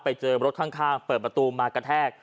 ไปเจอรถข้างเปิดประตูมากระแทก